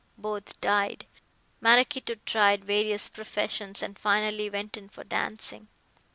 Both died. Maraquito tried various professions and finally went in for dancing.